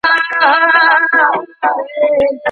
د بهرني سیاست له لوري د خلګو ستونزي نه تعقیب کیږي.